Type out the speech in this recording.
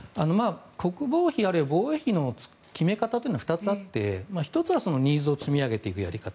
国防費あるいは防衛費の決め方というのは２つあって、１つはニーズを積み上げていくやり方。